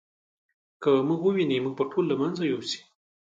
که موږ وویني موږ به ټول له منځه یوسي.